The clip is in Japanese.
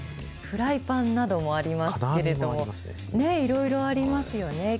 フライパンなどもありますけれど金網もありますね。